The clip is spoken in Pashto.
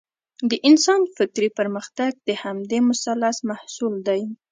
د انسان فکري پرمختګ د همدې مثلث محصول دی.